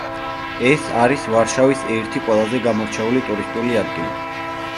ეს არის ვარშავის ერთი ყველაზე გამორჩეული ტურისტული ადგილი.